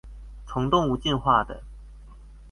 從動物進化的